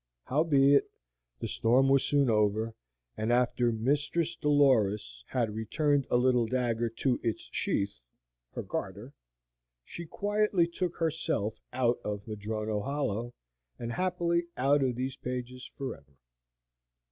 Howbeit the storm was soon over, and after Mistress Dolores had returned a little dagger to its sheath (her garter), she quietly took herself out of Madrono Hollow, and happily out of these pages forever.